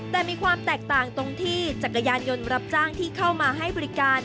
แต่มีความแตกต่างตรงที่จักรยานยนต์รับจ้างที่เข้ามาให้บริการ